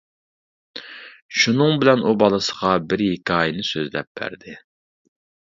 شۇنىڭ بىلەن ئۇ بالىسىغا بىر ھېكايىنى سۆزلەپ بەردى.